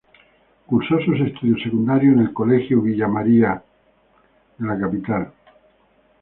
Cursó sus estudios secundarios en el colegio Villa María Academy de la capital.